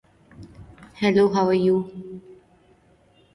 No, I'm not.